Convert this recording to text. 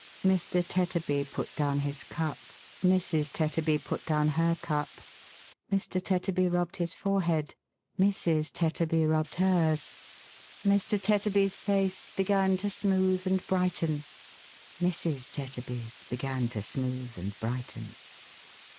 Mr. Tetterby put down his cup ; Mrs. Tetterby put down her cup. Mr. Tetterby rubbed his forehead; Mrs. Tetterby rubbed hers. Mr. Tetterby's face began to smooth and brighten; Mrs. Tetterby's began to smooth and brighten.